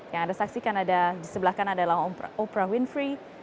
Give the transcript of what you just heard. yang ada saksikan ada di sebelah kan adalah oprah winfrey